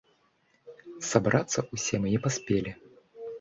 Сабрацца ўсе мы не паспелі.